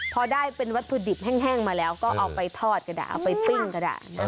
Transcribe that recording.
พอได้เป็นวัตถุดิบแห้งมาแล้วก็เอาไปทอดก็ได้เอาไปปิ้งก็ได้